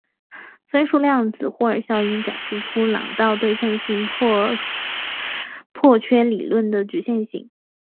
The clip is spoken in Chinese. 分数量子霍尔效应展示出朗道对称性破缺理论的局限性。